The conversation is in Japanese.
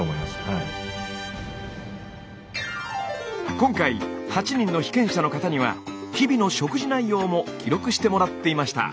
今回８人の被験者の方には日々の食事内容も記録してもらっていました。